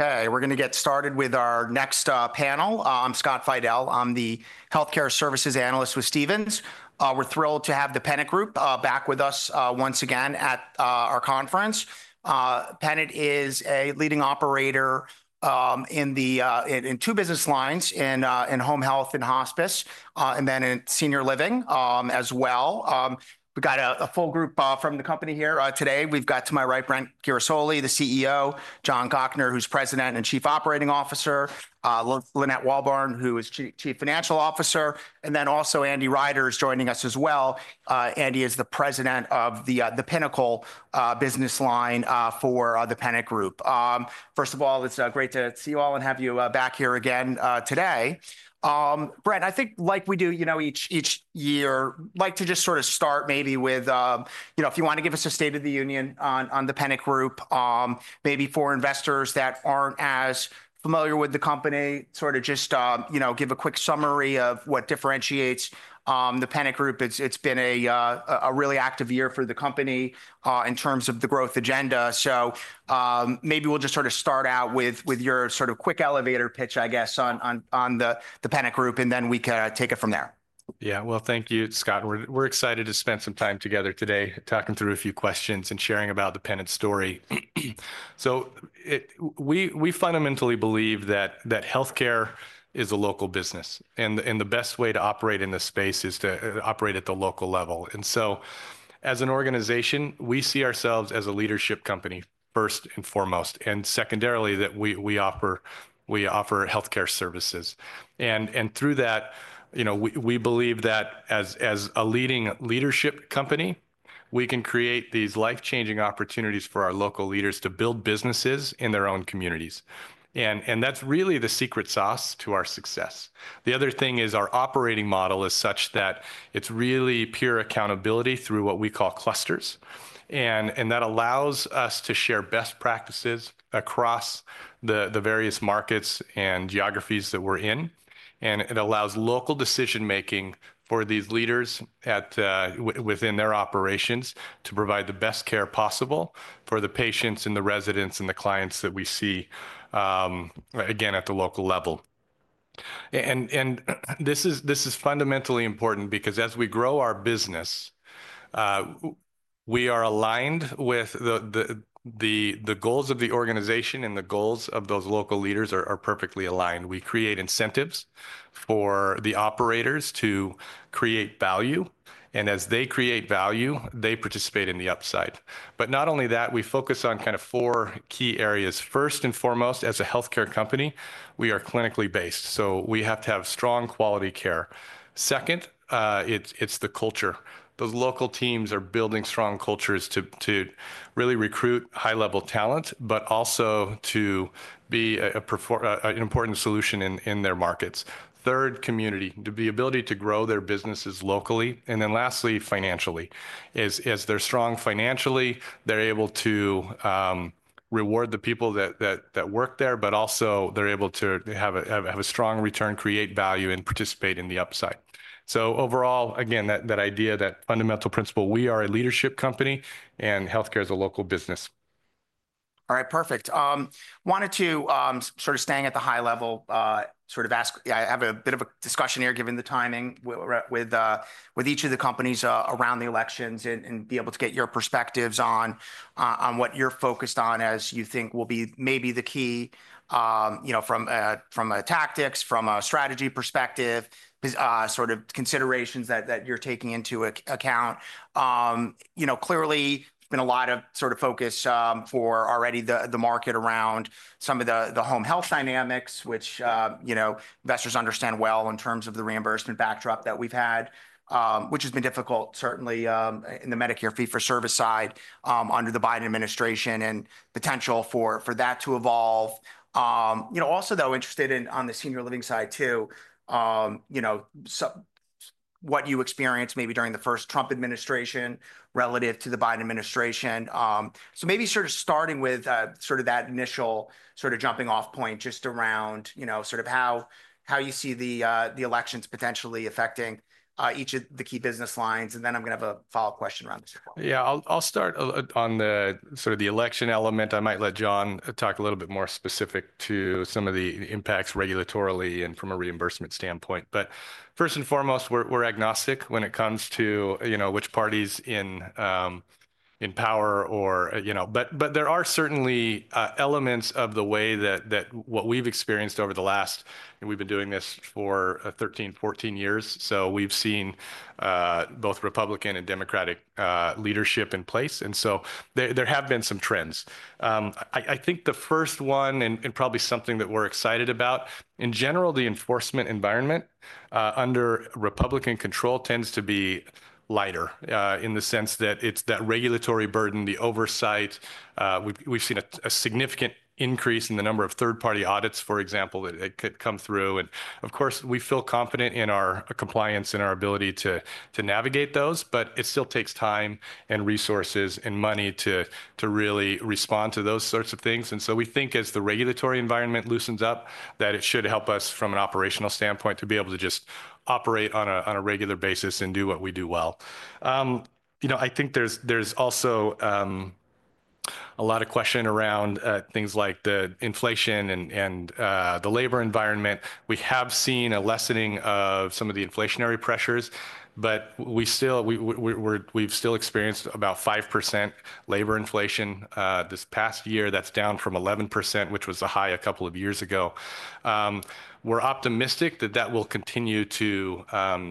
Okay, we're going to get started with our next panel. I'm Scott Fidel. I'm the Healthcare Services Analyst with Stephens. We're thrilled to have the Pennant Group back with us once again at our conference. Pennant is a leading operator in two business lines, in home health and hospice, and then in senior living as well. We've got a full group from the company here today. We've got, to my right, Brent Guerisoli, the CEO, John Gochnour, who's President and Chief Operating Officer, Lynette Walbom, who is Chief Financial Officer, and then also Andy Rider is joining us as well. Andy is the President of the Pinnacle Business Line for the Pennant Group. First of all, it's great to see you all and have you back here again today. Brent, I think, like we do each year, I'd like to just sort of start maybe with, if you want to give us a State of the Union on The Pennant Group, maybe for investors that aren't as familiar with the company, sort of just give a quick summary of what differentiates The Pennant Group. It's been a really active year for the company in terms of the growth agenda. So maybe we'll just sort of start out with your sort of quick elevator pitch, I guess, on The Pennant Group, and then we can take it from there. Yeah, well, thank you, Scott. We're excited to spend some time together today talking through a few questions and sharing about the Pennant story. So we fundamentally believe that healthcare is a local business, and the best way to operate in this space is to operate at the local level. And so as an organization, we see ourselves as a leadership company first and foremost, and secondarily, that we offer healthcare services. And through that, we believe that as a leading leadership company, we can create these life-changing opportunities for our local leaders to build businesses in their own communities. And that's really the secret sauce to our success. The other thing is our operating model is such that it's really pure accountability through what we call clusters. And that allows us to share best practices across the various markets and geographies that we're in. It allows local decision-making for these leaders within their operations to provide the best care possible for the patients and the residents and the clients that we see, again, at the local level. This is fundamentally important because as we grow our business, we are aligned with the goals of the organization, and the goals of those local leaders are perfectly aligned. We create incentives for the operators to create value. As they create value, they participate in the upside. Not only that, we focus on kind of four key areas. First and foremost, as a healthcare company, we are clinically based, so we have to have strong quality care. Second, it's the culture. Those local teams are building strong cultures to really recruit high-level talent, but also to be an important solution in their markets. Third, community, the ability to grow their businesses locally. And then, lastly, financially. As they're strong financially, they're able to reward the people that work there, but also they're able to have a strong return, create value, and participate in the upside. So overall, again, that idea, that fundamental principle, we are a leadership company, and healthcare is a local business. All right, perfect. Wanted to, sort of staying at the high level, sort of ask. I have a bit of a discussion here given the timing with each of the companies around the elections and be able to get your perspectives on what you're focused on as you think will be maybe the key from a tactics, from a strategy perspective, sort of considerations that you're taking into account. Clearly, there's been a lot of sort of focus for already the market around some of the home health dynamics, which investors understand well in terms of the reimbursement backdrop that we've had, which has been difficult, certainly, in the Medicare Fee-For-Service side under the Biden administration and potential for that to evolve. Also, though, interested on the senior living side too, what you experienced maybe during the first Trump administration relative to the Biden administration. So maybe sort of starting with sort of that initial sort of jumping-off point just around sort of how you see the elections potentially affecting each of the key business lines. And then I'm going to have a follow-up question around this. Yeah, I'll start on sort of the election element. I might let John talk a little bit more specific to some of the impacts regulatorily and from a reimbursement standpoint. But first and foremost, we're agnostic when it comes to which parties in power or, but there are certainly elements of the way that what we've experienced over the last, and we've been doing this for 13, 14 years. So we've seen both Republican and Democratic leadership in place. And so there have been some trends. I think the first one and probably something that we're excited about, in general, the enforcement environment under Republican control tends to be lighter in the sense that it's that regulatory burden, the oversight. We've seen a significant increase in the number of third-party audits, for example, that could come through. Of course, we feel confident in our compliance and our ability to navigate those, but it still takes time and resources and money to really respond to those sorts of things. So we think as the regulatory environment loosens up, that it should help us from an operational standpoint to be able to just operate on a regular basis and do what we do well. I think there's also a lot of question around things like the inflation and the labor environment. We have seen a lessening of some of the inflationary pressures, but we've still experienced about 5% labor inflation this past year. That's down from 11%, which was a high a couple of years ago. We're optimistic that that will continue to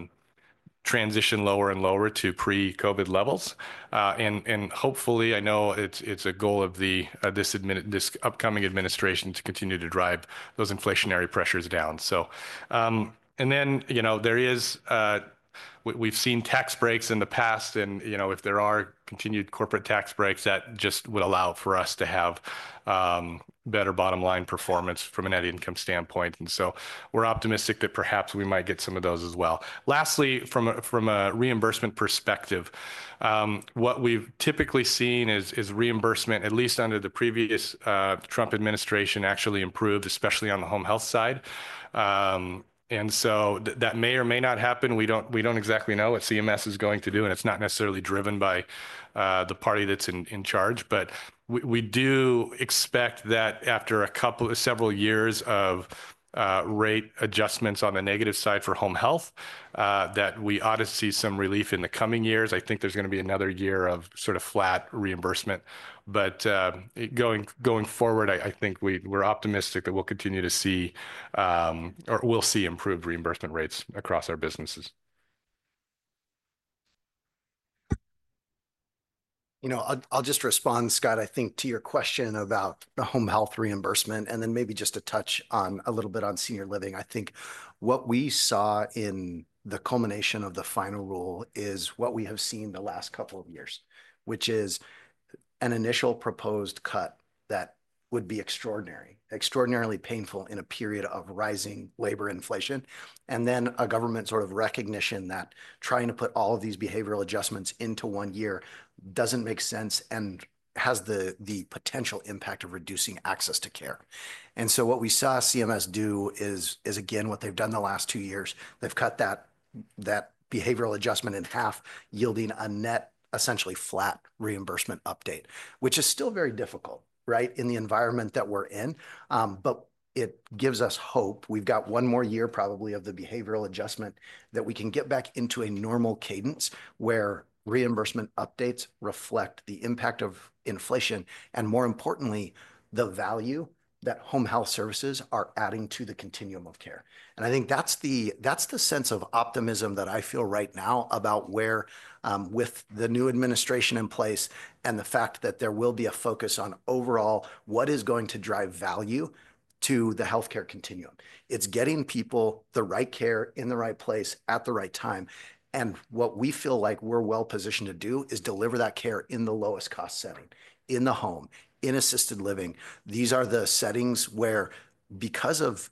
transition lower and lower to pre-COVID levels. Hopefully, I know it's a goal of this upcoming administration to continue to drive those inflationary pressures down. There is, we've seen tax breaks in the past, and if there are continued corporate tax breaks, that just would allow for us to have better bottom-line performance from a net income standpoint. We're optimistic that perhaps we might get some of those as well. Lastly, from a reimbursement perspective, what we've typically seen is reimbursement, at least under the previous Trump administration, actually improved, especially on the home health side. That may or may not happen. We don't exactly know what CMS is going to do, and it's not necessarily driven by the party that's in charge. But we do expect that after several years of rate adjustments on the negative side for home health, that we ought to see some relief in the coming years. I think there's going to be another year of sort of flat reimbursement. But going forward, I think we're optimistic that we'll continue to see, or we'll see improved reimbursement rates across our businesses. I'll just respond, Scott, I think, to your question about the home health reimbursement, and then maybe just a touch on a little bit on senior living. I think what we saw in the culmination of the final rule is what we have seen the last couple of years, which is an initial proposed cut that would be extraordinary, extraordinarily painful in a period of rising labor inflation, and then a government sort of recognition that trying to put all of these behavioral adjustments into one year doesn't make sense and has the potential impact of reducing access to care, so what we saw CMS do is, again, what they've done the last two years. They've cut that behavioral adjustment in half, yielding a net, essentially flat reimbursement update, which is still very difficult in the environment that we're in, but it gives us hope. We've got one more year probably of the behavioral adjustment that we can get back into a normal cadence where reimbursement updates reflect the impact of inflation and, more importantly, the value that home health services are adding to the continuum of care. And I think that's the sense of optimism that I feel right now about where, with the new administration in place and the fact that there will be a focus on overall what is going to drive value to the healthcare continuum. It's getting people the right care in the right place at the right time. And what we feel like we're well positioned to do is deliver that care in the lowest cost setting, in the home, in assisted living. These are the settings where, because of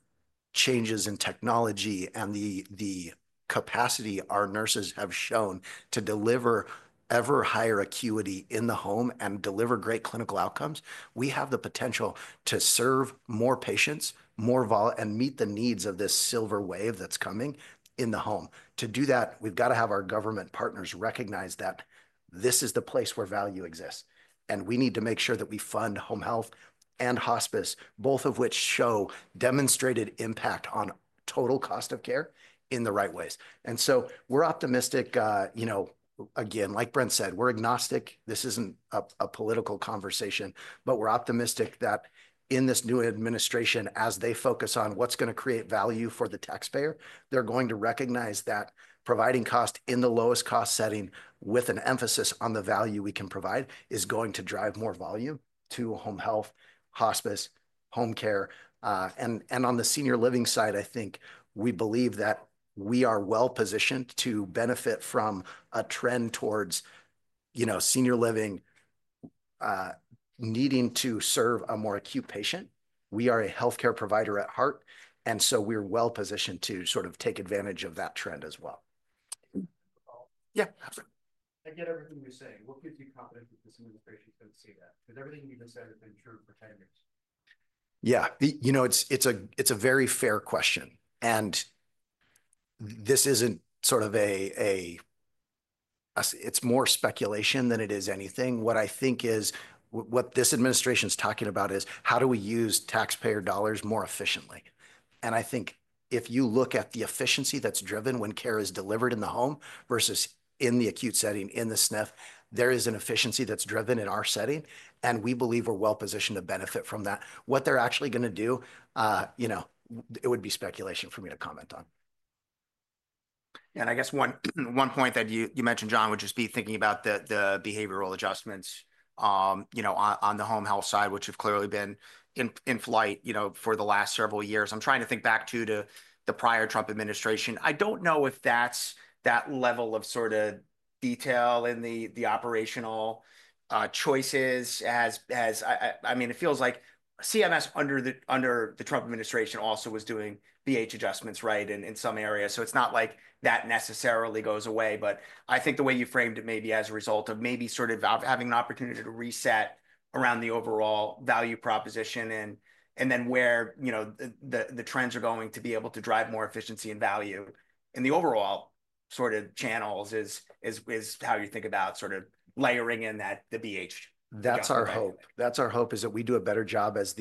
changes in technology and the capacity our nurses have shown to deliver ever higher acuity in the home and deliver great clinical outcomes, we have the potential to serve more patients, more vol, and meet the needs of this Silver Wave that's coming in the home. To do that, we've got to have our government partners recognize that this is the place where value exists. And we need to make sure that we fund home health and hospice, both of which show demonstrated impact on total cost of care in the right ways, and so we're optimistic. Again, like Brent said, we're agnostic. This isn't a political conversation, but we're optimistic that in this new administration, as they focus on what's going to create value for the taxpayer, they're going to recognize that providing cost in the lowest cost setting with an emphasis on the value we can provide is going to drive more volume to home health, hospice, home care. And on the senior living side, I think we believe that we are well positioned to benefit from a trend towards senior living needing to serve a more acute patient. We are a healthcare provider at heart, and so we're well positioned to sort of take advantage of that trend as well. Yeah. I get everything you're saying. What gives you confidence that this administration is going to see that? Because everything you've just said has been true for 10 years. Yeah, it's a very fair question. And this isn't sort of a, it's more speculation than it is anything. What I think is what this administration is talking about is how do we use taxpayer dollars more efficiently? And I think if you look at the efficiency that's driven when care is delivered in the home versus in the acute setting, in the SNF, there is an efficiency that's driven in our setting, and we believe we're well positioned to benefit from that. What they're actually going to do, it would be speculation for me to comment on. Yeah, and I guess one point that you mentioned, John, would just be thinking about the behavioral adjustments on the home health side, which have clearly been in flight for the last several years. I'm trying to think back to the prior Trump administration. I don't know if that's that level of sort of detail in the operational choices. I mean, it feels like CMS under the Trump administration also was doing BH adjustments in some areas. So it's not like that necessarily goes away. But I think the way you framed it may be as a result of maybe sort of having an opportunity to reset around the overall value proposition and then where the trends are going to be able to drive more efficiency and value in the overall sort of channels is how you think about sort of layering in that the BH. That's our hope. That's our hope is that we do a better job as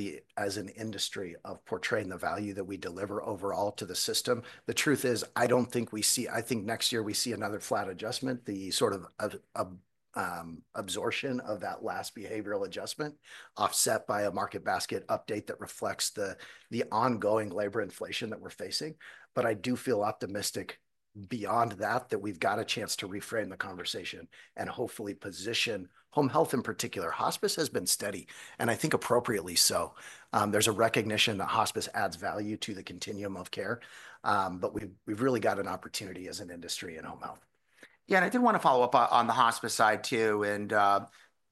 an industry of portraying the value that we deliver overall to the system. The truth is, I don't think we see, I think next year we see another flat adjustment, the sort of absorption of that last behavioral adjustment offset by a market basket update that reflects the ongoing labor inflation that we're facing. But I do feel optimistic beyond that that we've got a chance to reframe the conversation and hopefully position home health in particular. Hospice has been steady, and I think appropriately so. There's a recognition that hospice adds value to the continuum of care, but we've really got an opportunity as an industry in home health. Yeah, and I did want to follow up on the hospice side too. And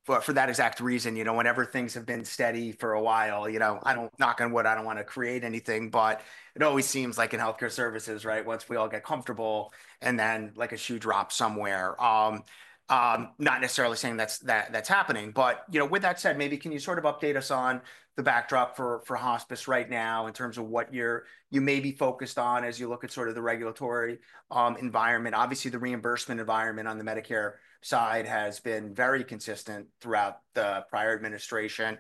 for that exact reason, whenever things have been steady for a while, I don't knock on wood, I don't want to create anything, but it always seems like in healthcare services, once we all get comfortable and then like a shoe drops somewhere, not necessarily saying that's happening. But with that said, maybe can you sort of update us on the backdrop for hospice right now in terms of what you may be focused on as you look at sort of the regulatory environment? Obviously, the reimbursement environment on the Medicare side has been very consistent throughout the prior administration.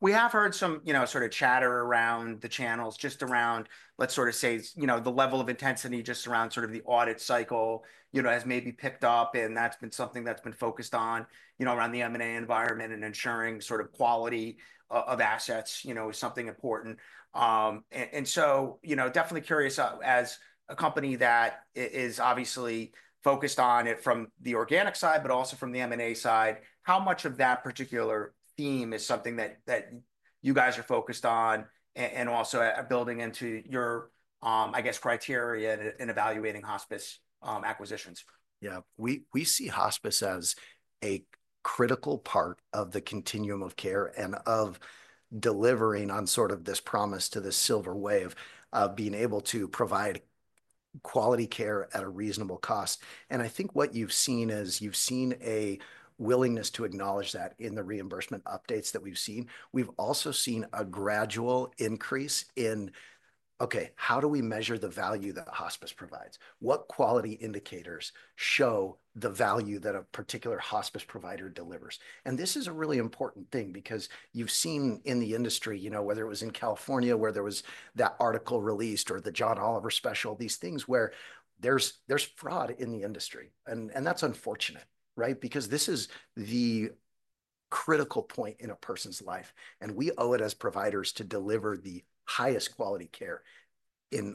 We have heard some sort of chatter around the channels just around, let's sort of say, the level of intensity just around sort of the audit cycle has maybe picked up, and that's been something that's been focused on around the M&A environment and ensuring sort of quality of assets is something important. And so definitely curious as a company that is obviously focused on it from the organic side, but also from the M&A side, how much of that particular theme is something that you guys are focused on and also building into your, I guess, criteria in evaluating hospice acquisitions? Yeah, we see hospice as a critical part of the continuum of care and of delivering on sort of this promise to the Silver Wave of being able to provide quality care at a reasonable cost. And I think what you've seen is you've seen a willingness to acknowledge that in the reimbursement updates that we've seen. We've also seen a gradual increase in, okay, how do we measure the value that hospice provides? What quality indicators show the value that a particular hospice provider delivers? And this is a really important thing because you've seen in the industry, whether it was in California where there was that article released or the John Oliver special, these things where there's fraud in the industry. And that's unfortunate because this is the critical point in a person's life. And we owe it as providers to deliver the highest quality care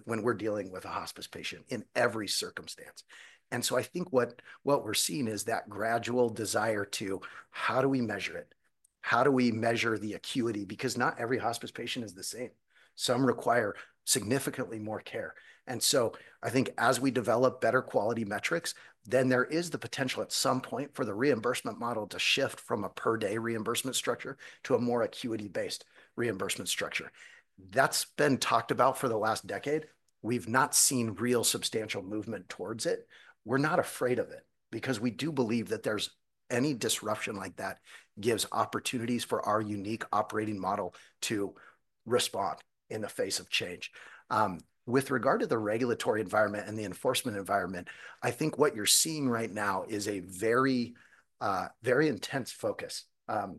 when we're dealing with a hospice patient in every circumstance. And so I think what we're seeing is that gradual desire to, how do we measure it? How do we measure the acuity? Because not every hospice patient is the same. Some require significantly more care. And so I think as we develop better quality metrics, then there is the potential at some point for the reimbursement model to shift from a per-day reimbursement structure to a more acuity-based reimbursement structure. That's been talked about for the last decade. We've not seen real substantial movement towards it. We're not afraid of it because we do believe that any disruption like that gives opportunities for our unique operating model to respond in the face of change. With regard to the regulatory environment and the enforcement environment, I think what you're seeing right now is a very intense focus,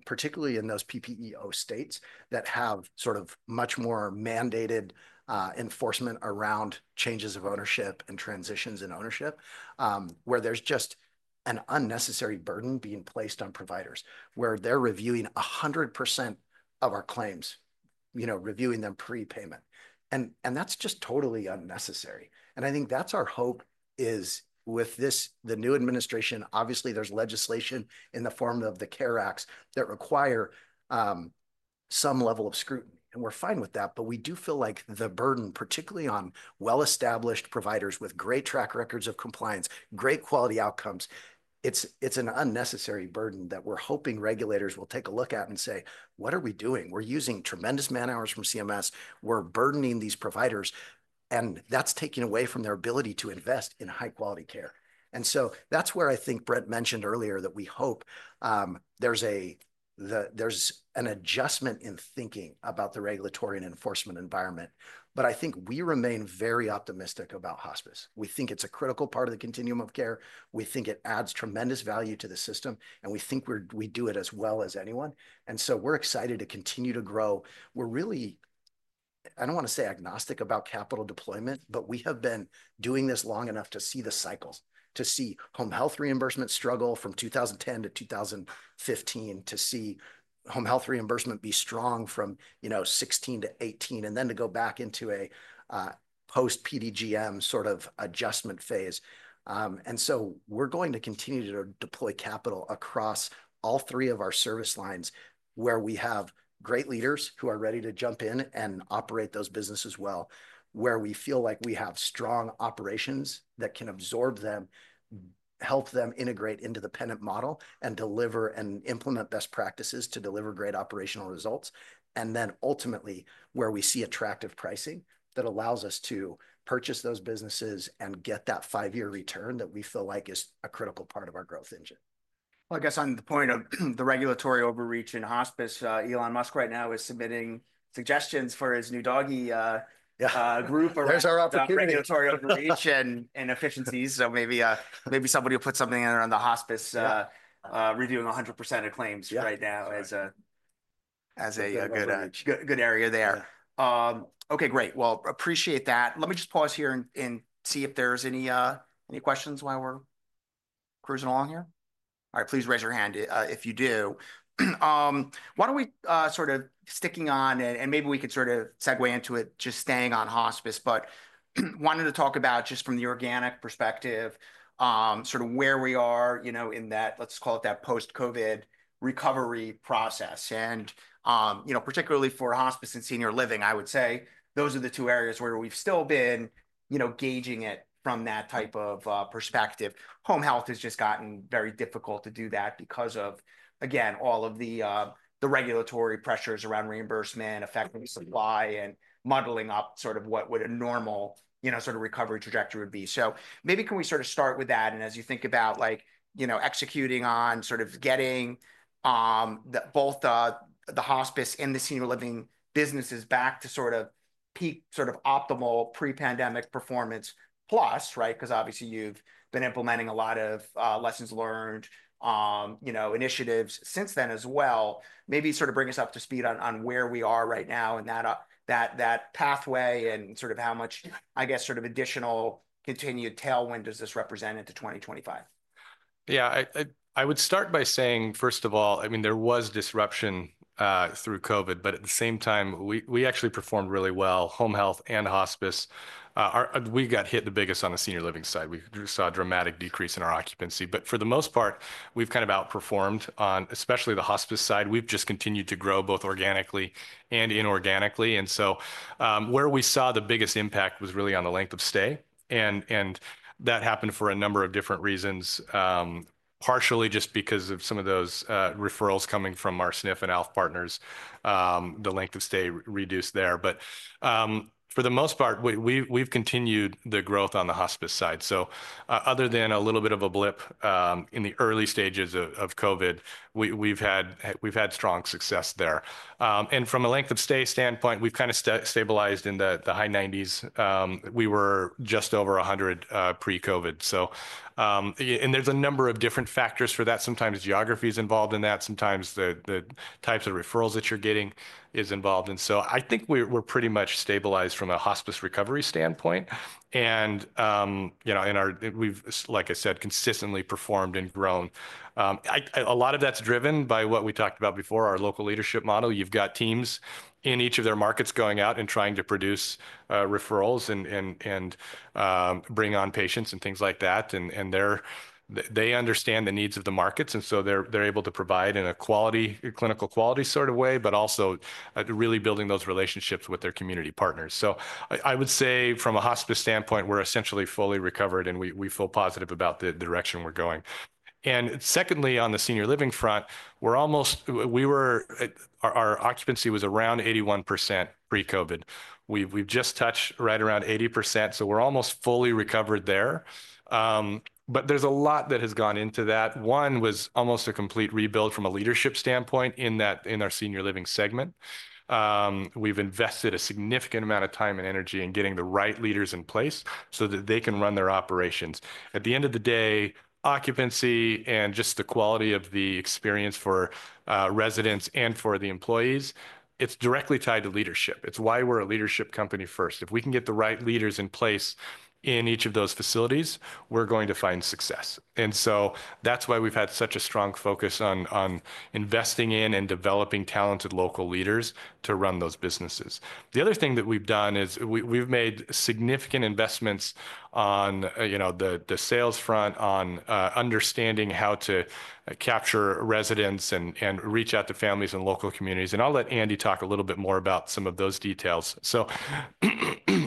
particularly in those PPEO states that have sort of much more mandated enforcement around changes of ownership and transitions in ownership, where there's just an unnecessary burden being placed on providers where they're reviewing 100% of our claims, reviewing them pre-payment, and that's just totally unnecessary, and I think that's our hope is with the new administration, obviously there's legislation in the form of the CARES Act that require some level of scrutiny, and we're fine with that, but we do feel like the burden, particularly on well-established providers with great track records of compliance, great quality outcomes, it's an unnecessary burden that we're hoping regulators will take a look at and say, what are we doing? We're using tremendous man hours from CMS. We're burdening these providers, and that's taking away from their ability to invest in high-quality care, and so that's where I think Brent mentioned earlier that we hope there's an adjustment in thinking about the regulatory and enforcement environment, but I think we remain very optimistic about hospice. We think it's a critical part of the continuum of care. We think it adds tremendous value to the system, and we think we do it as well as anyone, and so we're excited to continue to grow. We're really, I don't want to say agnostic about capital deployment, but we have been doing this long enough to see the cycles, to see home health reimbursement struggle from 2010 to 2015, to see home health reimbursement be strong from 2016 to 2018, and then to go back into a post-PDGM sort of adjustment phase. And so we're going to continue to deploy capital across all three of our service lines where we have great leaders who are ready to jump in and operate those businesses well, where we feel like we have strong operations that can absorb them, help them integrate into the Pennant model and deliver and implement best practices to deliver great operational results. And then ultimately, where we see attractive pricing that allows us to purchase those businesses and get that five-year return that we feel like is a critical part of our growth engine. I guess on the point of the regulatory overreach in hospice, Elon Musk right now is submitting suggestions for his new DOGE group. There's our opportunity. Regulatory overreach and efficiencies. So maybe somebody will put something in around the hospice reviewing 100% of claims right now as a good area there. Okay, great. Well, appreciate that. Let me just pause here and see if there's any questions while we're cruising along here. All right, please raise your hand if you do. Why don't we sort of sticking on, and maybe we could sort of segue into it just staying on hospice, but wanted to talk about just from the organic perspective, sort of where we are in that, let's call it that post-COVID recovery process. And particularly for hospice and senior living, I would say those are the two areas where we've still been gauging it from that type of perspective. Home health has just gotten very difficult to do that because of, again, all of the regulatory pressures around reimbursement, affecting supply and muddling up sort of what would a normal sort of recovery trajectory would be. So, maybe can we sort of start with that? And as you think about executing on sort of getting both the hospice and the senior living businesses back to sort of peak sort of optimal pre-pandemic performance plus, because obviously you've been implementing a lot of lessons learned initiatives since then as well, maybe sort of bring us up to speed on where we are right now in that pathway and sort of how much, I guess, sort of additional continued tailwind does this represent into 2025? Yeah, I would start by saying, first of all, I mean, there was disruption through COVID, but at the same time, we actually performed really well. Home health and hospice, we got hit the biggest on the senior living side. We saw a dramatic decrease in our occupancy. But for the most part, we've kind of outperformed on, especially the hospice side. We've just continued to grow both organically and inorganically. And so where we saw the biggest impact was really on the length of stay. And that happened for a number of different reasons, partially just because of some of those referrals coming from our SNF and ALF partners, the length of stay reduced there. But for the most part, we've continued the growth on the hospice side. So other than a little bit of a blip in the early stages of COVID, we've had strong success there. From a length of stay standpoint, we've kind of stabilized in the high 90s. We were just over 100 pre-COVID. There's a number of different factors for that. Sometimes geography is involved in that. Sometimes the types of referrals that you're getting is involved. So I think we're pretty much stabilized from a hospice recovery standpoint. We've, like I said, consistently performed and grown. A lot of that's driven by what we talked about before, our local leadership model. You've got teams in each of their markets going out and trying to produce referrals and bring on patients and things like that. They understand the needs of the markets. So they're able to provide in a clinical quality sort of way, but also really building those relationships with their community partners. So I would say from a hospice standpoint, we're essentially fully recovered and we feel positive about the direction we're going. And secondly, on the senior living front, our occupancy was around 81% pre-COVID. We've just touched right around 80%. So we're almost fully recovered there. But there's a lot that has gone into that. One was almost a complete rebuild from a leadership standpoint in our senior living segment. We've invested a significant amount of time and energy in getting the right leaders in place so that they can run their operations. At the end of the day, occupancy and just the quality of the experience for residents and for the employees, it's directly tied to leadership. It's why we're a leadership company first. If we can get the right leaders in place in each of those facilities, we're going to find success. And so that's why we've had such a strong focus on investing in and developing talented local leaders to run those businesses. The other thing that we've done is we've made significant investments on the sales front, on understanding how to capture residents and reach out to families and local communities. And I'll let Andy talk a little bit more about some of those details.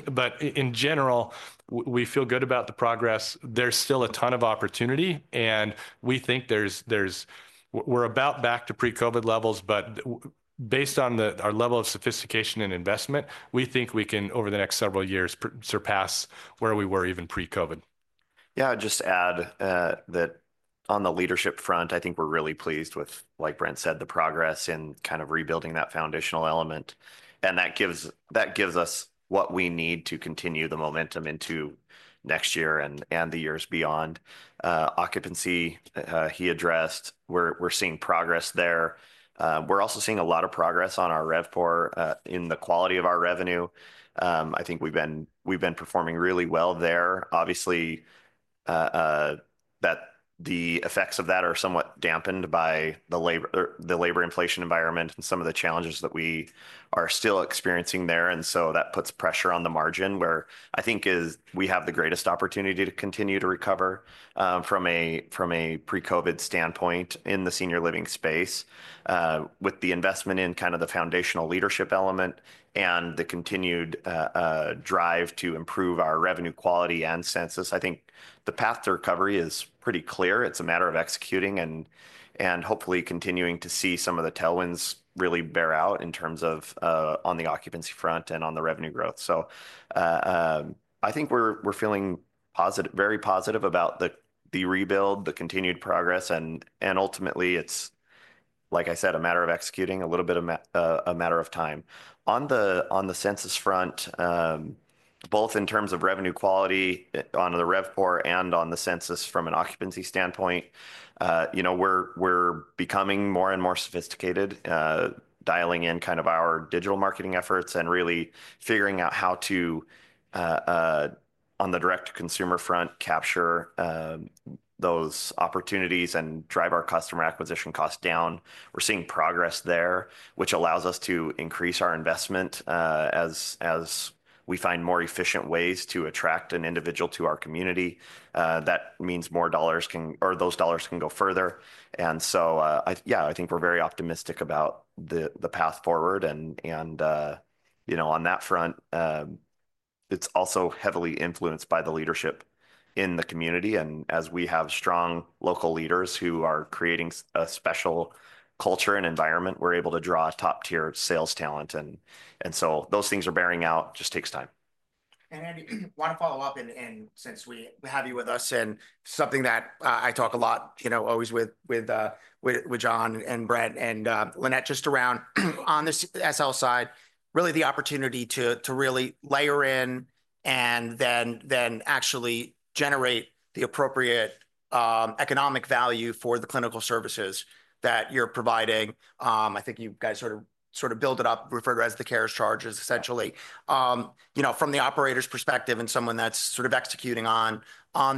But in general, we feel good about the progress. There's still a ton of opportunity. And we think we're about back to pre-COVID levels, but based on our level of sophistication and investment, we think we can, over the next several years, surpass where we were even pre-COVID. Yeah, I'll just add that on the leadership front. I think we're really pleased with, like Brent said, the progress in kind of rebuilding that foundational element. That gives us what we need to continue the momentum into next year and the years beyond. Occupancy, he addressed. We're seeing progress there. We're also seeing a lot of progress on our RevPOR in the quality of our revenue. I think we've been performing really well there. Obviously, the effects of that are somewhat dampened by the labor inflation environment and some of the challenges that we are still experiencing there. And so that puts pressure on the margin where I think we have the greatest opportunity to continue to recover from a pre-COVID standpoint in the senior living space with the investment in kind of the foundational leadership element and the continued drive to improve our revenue quality and census. I think the path to recovery is pretty clear. It's a matter of executing and hopefully continuing to see some of the tailwinds really bear out in terms of on the occupancy front and on the revenue growth. So I think we're feeling very positive about the rebuild, the continued progress. And ultimately, it's, like I said, a matter of executing, a little bit of a matter of time. On the census front, both in terms of revenue quality on the RevPOR and on the census from an occupancy standpoint, we're becoming more and more sophisticated, dialing in kind of our digital marketing efforts and really figuring out how to, on the direct-to-consumer front, capture those opportunities and drive our customer acquisition costs down. We're seeing progress there, which allows us to increase our investment as we find more efficient ways to attract an individual to our community. That means more dollars can or those dollars can go further. And so, yeah, I think we're very optimistic about the path forward, and on that front, it's also heavily influenced by the leadership in the community. And as we have strong local leaders who are creating a special culture and environment, we're able to draw top-tier sales talent. And so those things are bearing out. It just takes time. I want to follow up, and since we have you with us, and something that I talk a lot always with John and Brent and Lynette just around on the SL side, really the opportunity to really layer in and then actually generate the appropriate economic value for the clinical services that you're providing. I think you guys sort of build it up, refer to it as the care charges, essentially. From the operator's perspective and someone that's sort of executing on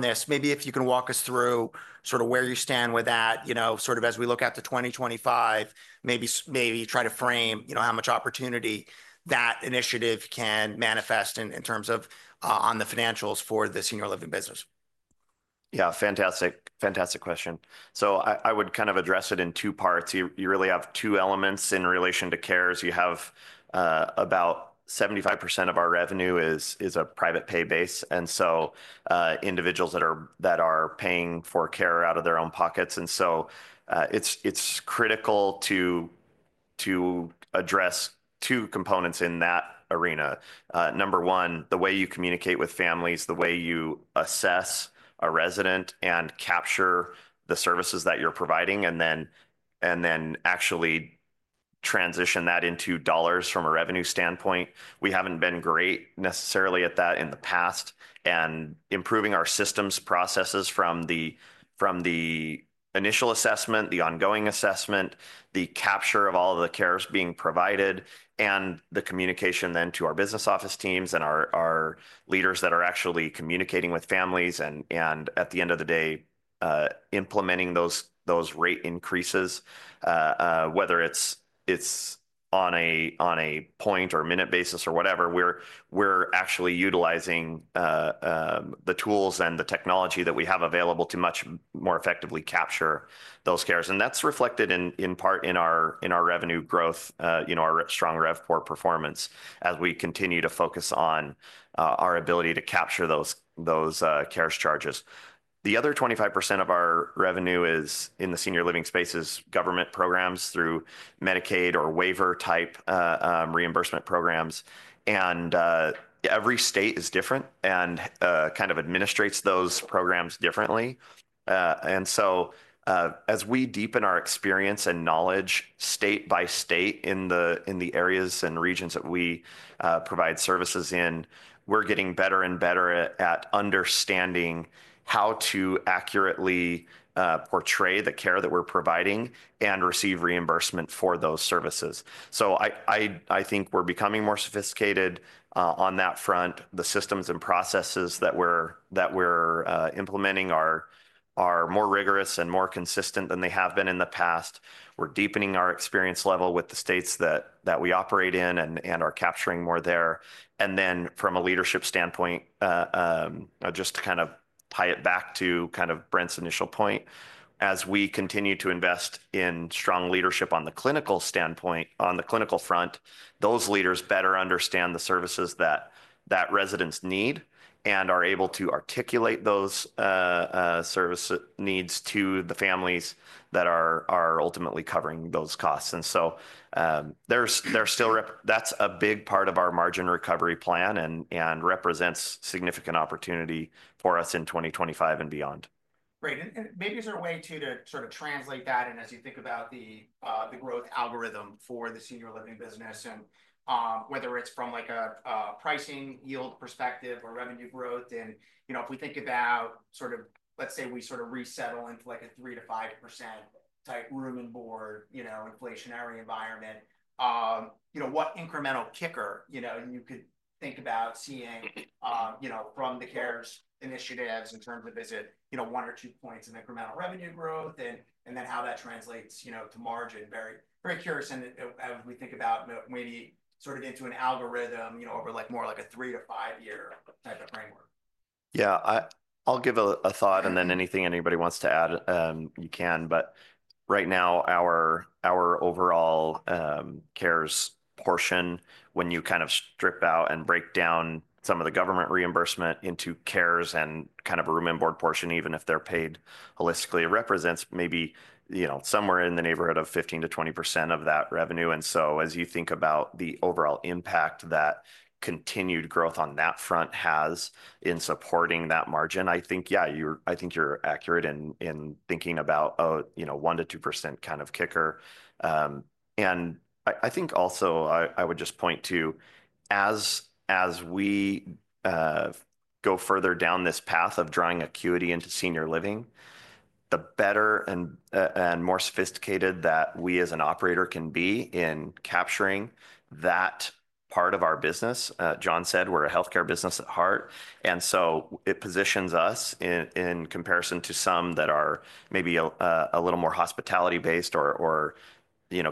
this, maybe if you can walk us through sort of where you stand with that, sort of as we look at the 2025, maybe try to frame how much opportunity that initiative can manifest in terms of on the financials for the senior living business. Yeah, fantastic. Fantastic question. So I would kind of address it in two parts. You really have two elements in relation to CARES. You have about 75% of our revenue is a private pay base. And so individuals that are paying for care out of their own pockets. And so it's critical to address two components in that arena. Number one, the way you communicate with families, the way you assess a resident and capture the services that you're providing and then actually transition that into dollars from a revenue standpoint. We haven't been great necessarily at that in the past. Improving our systems processes from the initial assessment, the ongoing assessment, the capture of all the cares being provided, and the communication then to our business office teams and our leaders that are actually communicating with families and at the end of the day, implementing those rate increases, whether it's on a point or minute basis or whatever, we're actually utilizing the tools and the technology that we have available to much more effectively capture those cares. That's reflected in part in our revenue growth, our strong RevPOR performance as we continue to focus on our ability to capture those care charges. The other 25% of our revenue is in the senior living spaces, government programs through Medicaid or waiver-type reimbursement programs. Every state is different and kind of administers those programs differently. And so as we deepen our experience and knowledge state by state in the areas and regions that we provide services in, we're getting better and better at understanding how to accurately portray the care that we're providing and receive reimbursement for those services. So I think we're becoming more sophisticated on that front. The systems and processes that we're implementing are more rigorous and more consistent than they have been in the past. We're deepening our experience level with the states that we operate in and are capturing more there. From a leadership standpoint, just to kind of tie it back to kind of Brent's initial point, as we continue to invest in strong leadership on the clinical standpoint, on the clinical front, those leaders better understand the services that residents need and are able to articulate those service needs to the families that are ultimately covering those costs. That's a big part of our margin recovery plan and represents significant opportunity for us in 2025 and beyond. Great. And maybe is there a way to sort of translate that and as you think about the growth algorithm for the senior living business, and whether it's from a pricing yield perspective or revenue growth, and if we think about sort of, let's say we sort of resettle into like a 3%-5% type room and board inflationary environment, what incremental kicker you could think about seeing from the CARES initiatives in terms of is it one or two points of incremental revenue growth and then how that translates to margin? Very curious. And as we think about maybe sort of into an algorithm over more like a three- to five-year type of framework. Yeah, I'll give a thought and then anything anybody wants to add, you can. But right now, our overall CARES portion, when you kind of strip out and break down some of the government reimbursement into care and kind of a room and board portion, even if they're paid holistically, it represents maybe somewhere in the neighborhood of 15%-20% of that revenue. And so as you think about the overall impact that continued growth on that front has in supporting that margin, I think, yeah, I think you're accurate in thinking about 1%-2% kind of kicker. And I think also I would just point to as we go further down this path of drawing acuity into senior living, the better and more sophisticated that we as an operator can be in capturing that part of our business. John said we're a healthcare business at heart. And so it positions us in comparison to some that are maybe a little more hospitality-based or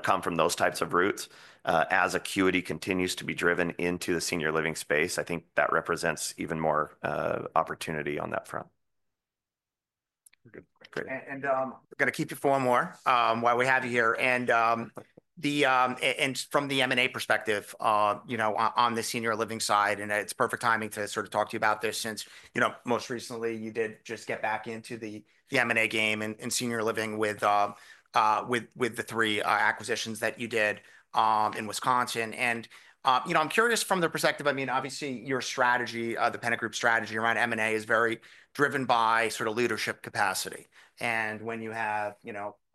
come from those types of roots. As acuity continues to be driven into the senior living space, I think that represents even more opportunity on that front. And I'm going to keep you for more while we have you here. And from the M&A perspective on the senior living side, and it's perfect timing to sort of talk to you about this since most recently you did just get back into the M&A game and senior living with the three acquisitions that you did in Wisconsin. And I'm curious from the perspective, I mean, obviously your strategy, the Pennant Group strategy around M&A is very driven by sort of leadership capacity. And when you have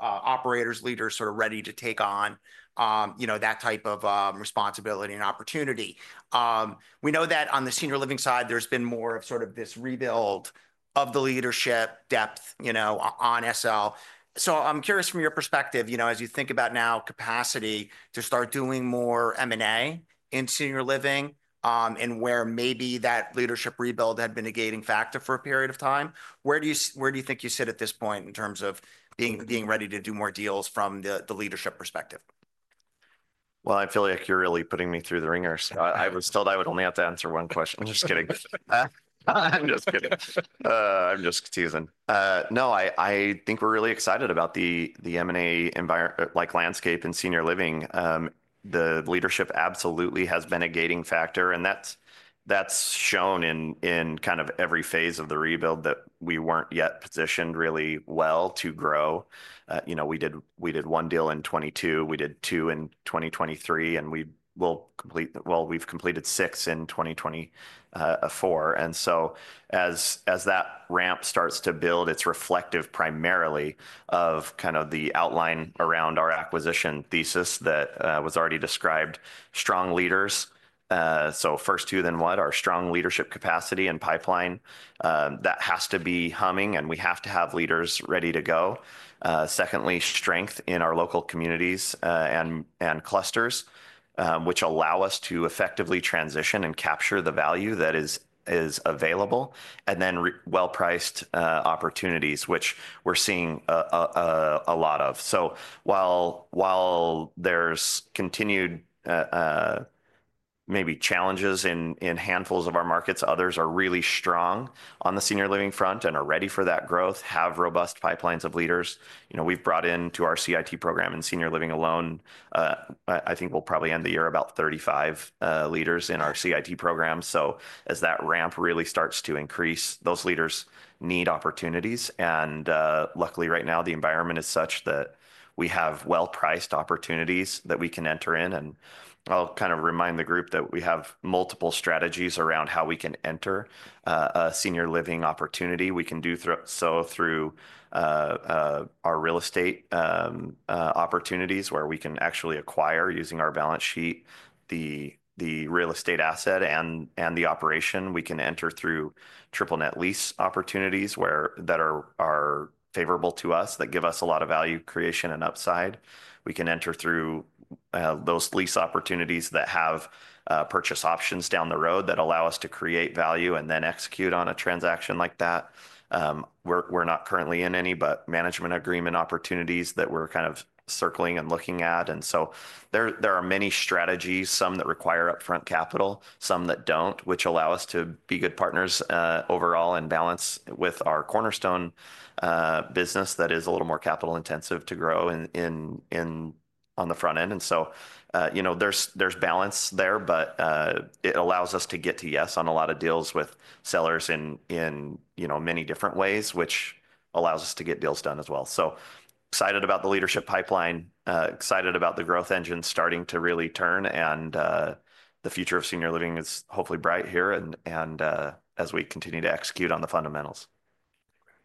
operators, leaders sort of ready to take on that type of responsibility and opportunity, we know that on the senior living side, there's been more of sort of this rebuild of the leadership depth on SL. So I'm curious from your perspective, as you think about now capacity to start doing more M&A in senior living and where maybe that leadership rebuild had been a gating factor for a period of time, where do you think you sit at this point in terms of being ready to do more deals from the leadership perspective? I feel like you're really putting me through the wringer. I was told I would only have to answer one question. I'm just kidding. I'm just kidding. I'm just teasing. No, I think we're really excited about the M&A landscape in senior living. The leadership absolutely has been a gating factor. And that's shown in kind of every phase of the rebuild that we weren't yet positioned really well to grow. We did one deal in 2022. We did two in 2023. And we've completed six in 2024. And so as that ramp starts to build, it's reflective primarily of kind of the outline around our acquisition thesis that was already described. Strong leaders. So first two, then what? Our strong leadership capacity and pipeline. That has to be humming, and we have to have leaders ready to go. Secondly, strength in our local communities and clusters, which allow us to effectively transition and capture the value that is available. And then well-priced opportunities, which we're seeing a lot of. So while there's continued maybe challenges in handfuls of our markets, others are really strong on the senior living front and are ready for that growth, have robust pipelines of leaders. We've brought into our CIT program in senior living alone. I think we'll probably end the year about 35 leaders in our CIT program. So as that ramp really starts to increase, those leaders need opportunities. And luckily right now, the environment is such that we have well-priced opportunities that we can enter in. And I'll kind of remind the group that we have multiple strategies around how we can enter a senior living opportunity. We can do so through our real estate opportunities where we can actually acquire, using our balance sheet, the real estate asset and the operation. We can enter through triple-net lease opportunities that are favorable to us that give us a lot of value creation and upside. We can enter through those lease opportunities that have purchase options down the road that allow us to create value and then execute on a transaction like that. We're not currently in any, but management agreement opportunities that we're kind of circling and looking at, so there are many strategies, some that require upfront capital, some that don't, which allow us to be good partners overall and balance with our cornerstone business that is a little more capital intensive to grow on the front end. And so there's balance there, but it allows us to get to yes on a lot of deals with sellers in many different ways, which allows us to get deals done as well. So excited about the leadership pipeline, excited about the growth engine starting to really turn. And the future of senior living is hopefully bright here as we continue to execute on the fundamentals.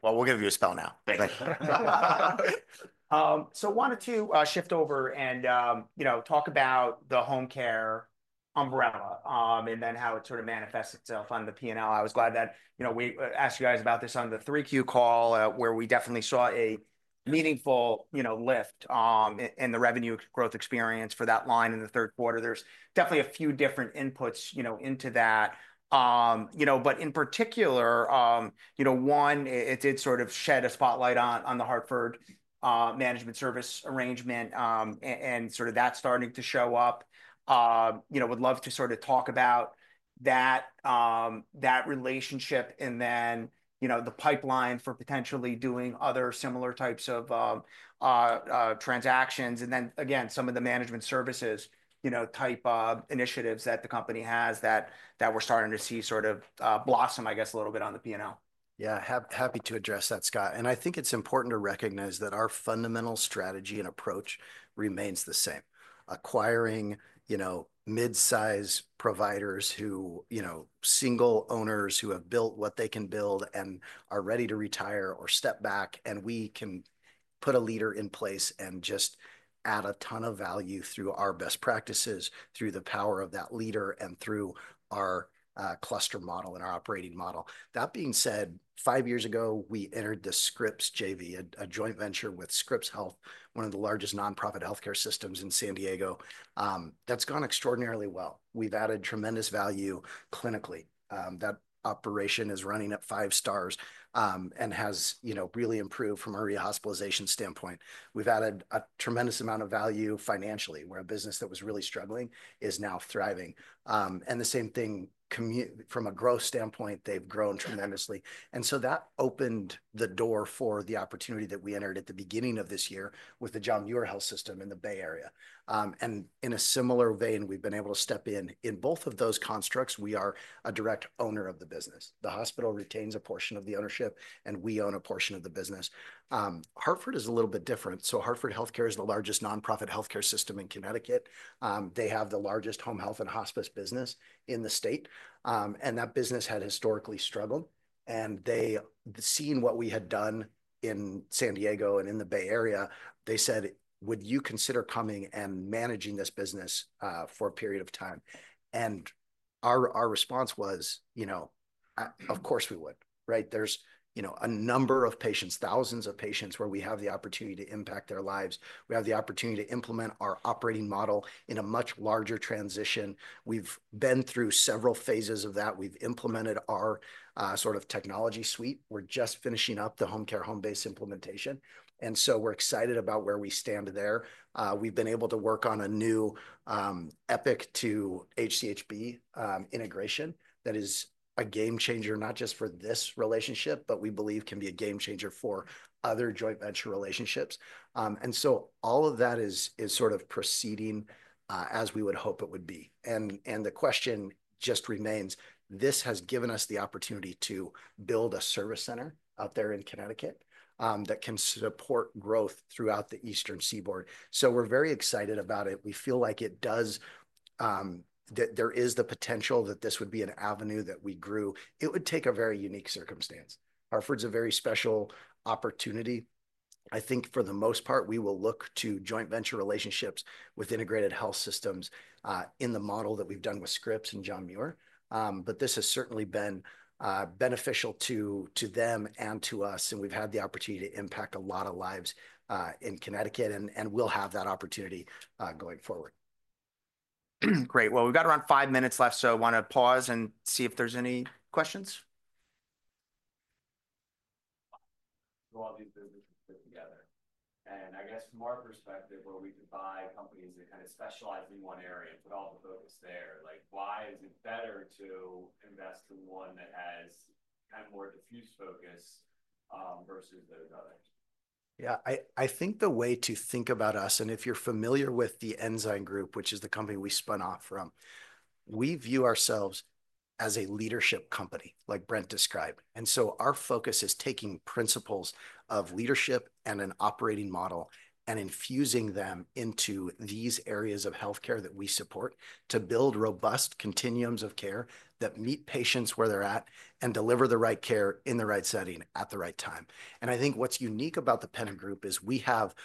Well, we'll give you a spell now. Thank you. So I wanted to shift over and talk about the home care umbrella and then how it sort of manifests itself on the P&L. I was glad that we asked you guys about this on the three Q call where we definitely saw a meaningful lift in the revenue growth experience for that line in the Q1. There's definitely a few different inputs into that. But in particular, one, it did sort of shed a spotlight on the Hartford management service arrangement and sort of that starting to show up. Would love to sort of talk about that relationship and then the pipeline for potentially doing other similar types of transactions. And then again, some of the management services type initiatives that the company has that we're starting to see sort of blossom, I guess, a little bit on the P&L. Yeah, happy to address that, Scott. And I think it's important to recognize that our fundamental strategy and approach remains the same. Acquiring mid-size providers with single owners who have built what they can build and are ready to retire or step back, and we can put a leader in place and just add a ton of value through our best practices, through the power of that leader and through our cluster model and our operating model. That being said, five years ago, we entered the Scripps JV, a joint venture with Scripps Health, one of the largest nonprofit healthcare systems in San Diego. That's gone extraordinarily well. We've added tremendous value clinically. That operation is running at five stars and has really improved from a rehospitalization standpoint. We've added a tremendous amount of value financially where a business that was really struggling is now thriving. And the same thing from a growth standpoint, they've grown tremendously. And so that opened the door for the opportunity that we entered at the beginning of this year with the John Muir Health in the Bay Area. And in a similar vein, we've been able to step in. In both of those constructs, we are a direct owner of the business. The hospital retains a portion of the ownership, and we own a portion of the business. Hartford is a little bit different. So Hartford HealthCare is the largest nonprofit healthcare system in Connecticut. They have the largest home health and hospice business in the state. And that business had historically struggled. They seen what we had done in San Diego and in the Bay Area. They said, "Would you consider coming and managing this business for a period of time?" Our response was, "Of course we would." There's a number of patients, thousands of patients where we have the opportunity to impact their lives. We have the opportunity to implement our operating model in a much larger transition. We've been through several phases of that. We've implemented our sort of technology suite. We're just finishing up the Homecare Homebased implementation, so we're excited about where we stand there. We've been able to work on a new Epic to HCHB integration that is a game changer, not just for this relationship, but we believe can be a game changer for other joint venture relationships. All of that is sort of proceeding as we would hope it would be. The question just remains. This has given us the opportunity to build a service center out there in Connecticut that can support growth throughout the Eastern Seaboard. We're very excited about it. We feel like there is the potential that this would be an avenue that we grew. It would take a very unique circumstance. Hartford's a very special opportunity. I think for the most part, we will look to joint venture relationships with integrated health systems in the model that we've done with Scripps and John Muir. This has certainly been beneficial to them and to us. We've had the opportunity to impact a lot of lives in Connecticut and will have that opportunity going forward. Great. Well, we've got around five minutes left, so I want to pause and see if there's any questions? So all these businesses put together. And I guess from our perspective, where we could buy companies that kind of specialize in one area and put all the focus there, why is it better to invest in one that has kind of more diffuse focus versus those others? Yeah, I think the way to think about us, and if you're familiar with the Ensign Group, which is the company we spun off from, we view ourselves as a leadership company, like Brent described. And so our focus is taking principles of leadership and an operating model and infusing them into these areas of healthcare that we support to build robust continuums of care that meet patients where they're at and deliver the right care in the right setting at the right time. And I think what's unique about the Pennant Group is we have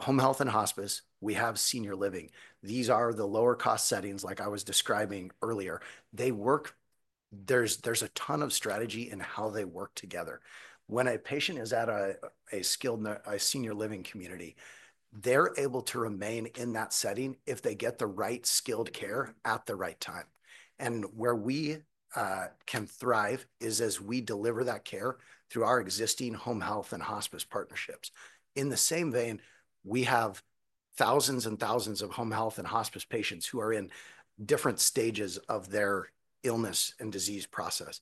home health and hospice. We have senior living. These are the lower-cost settings, like I was describing earlier. There's a ton of strategy in how they work together. When a patient is at a senior living community, they're able to remain in that setting if they get the right skilled care at the right time. And where we can thrive is as we deliver that care through our existing home health and hospice partnerships. In the same vein, we have thousands and thousands of home health and hospice patients who are in different stages of their illness and disease process.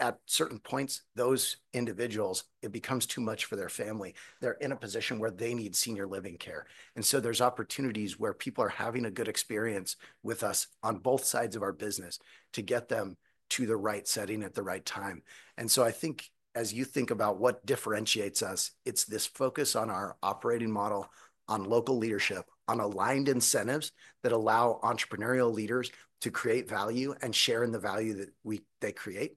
At certain points, those individuals, it becomes too much for their family. They're in a position where they need senior living care. And so there's opportunities where people are having a good experience with us on both sides of our business to get them to the right setting at the right time. And so I think as you think about what differentiates us, it's this focus on our operating model, on local leadership, on aligned incentives that allow entrepreneurial leaders to create value and share in the value that they create.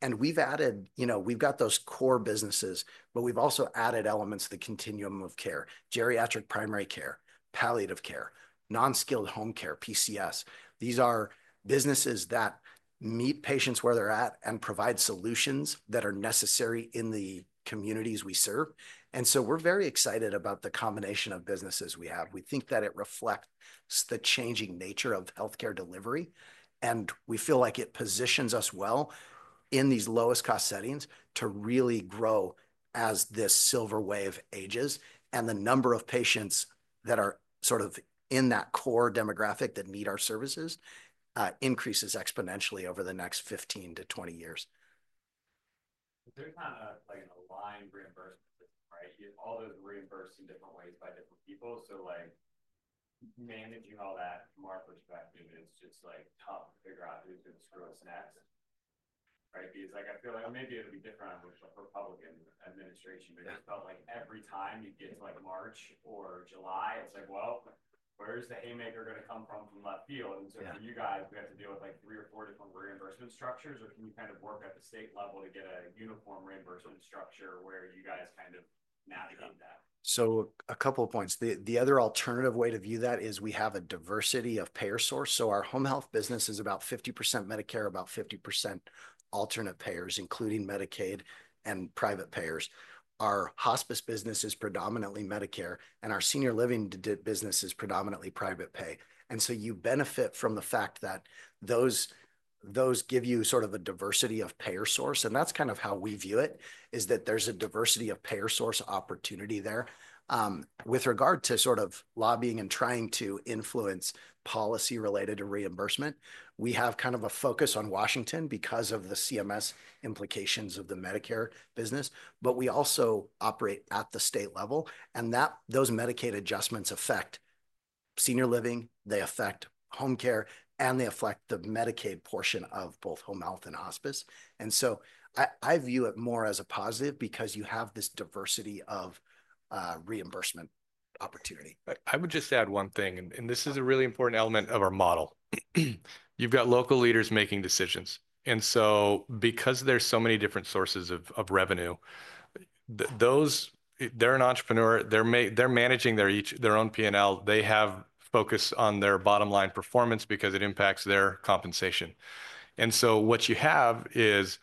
And we've added, we've got those core businesses, but we've also added elements of the continuum of care, geriatric primary care, palliative care, non-skilled home care, PCS. These are businesses that meet patients where they're at and provide solutions that are necessary in the communities we serve. And so we're very excited about the combination of businesses we have. We think that it reflects the changing nature of healthcare delivery. And we feel like it positions us well in these lowest-cost settings to really grow as this silver wave ages. The number of patients that are sort of in that core demographic that need our services increases exponentially over the next 15-20 years. There's not an aligned reimbursement system, right? All those are reimbursed in different ways by different people. So managing all that from our perspective, it's just tough to figure out who's going to screw us next. Because I feel like maybe it'll be different on the Republican administration, but it felt like every time you get to March or July, it's like, well, where's the haymaker going to come from from left field? And so for you guys, we have to deal with three or four different reimbursement structures, or can you kind of work at the state level to get a uniform reimbursement structure where you guys kind of navigate that? A couple of points. The other alternative way to view that is we have a diversity of payer source. Our home health business is about 50% Medicare, about 50% alternate payers, including Medicaid and private payers. Our hospice business is predominantly Medicare, and our senior living business is predominantly private pay. You benefit from the fact that those give you sort of a diversity of payer source. That's kind of how we view it, is that there's a diversity of payer source opportunity there. With regard to sort of lobbying and trying to influence policy related to reimbursement, we have kind of a focus on Washington because of the CMS implications of the Medicare business. We also operate at the state level. And those Medicaid adjustments affect senior living, they affect home care, and they affect the Medicaid portion of both home health and hospice. And so I view it more as a positive because you have this diversity of reimbursement opportunity. I would just add one thing, and this is a really important element of our model. You've got local leaders making decisions. And so because there's so many different sources of revenue, they're an entrepreneur. They're managing their own P&L. They have focus on their bottom line performance because it impacts their compensation. And so what you have is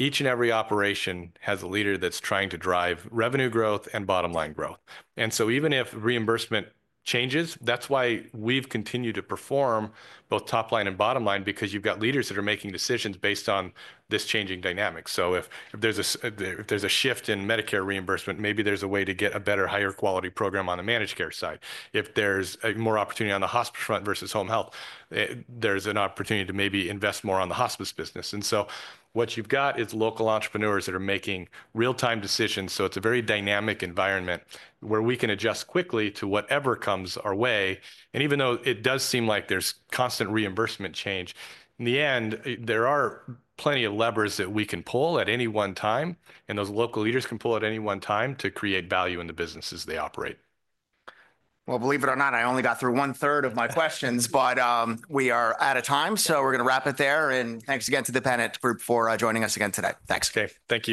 each and every operation has a leader that's trying to drive revenue growth and bottom line growth. And so even if reimbursement changes, that's why we've continued to perform both top line and bottom line because you've got leaders that are making decisions based on this changing dynamic. So if there's a shift in Medicare reimbursement, maybe there's a way to get a better, higher quality program on the managed care side. If there's more opportunity on the hospital front versus home health, there's an opportunity to maybe invest more on the hospice business, and so what you've got is local entrepreneurs that are making real-time decisions, so it's a very dynamic environment where we can adjust quickly to whatever comes our way, and even though it does seem like there's constant reimbursement change, in the end, there are plenty of levers that we can pull at any one time, and those local leaders can pull at any one time to create value in the businesses they operate. Believe it or not, I only got through one third of my questions, but we are out of time. We're going to wrap it there. Thanks again to The Pennant Group for joining us again today. Thanks. Okay. Thank you.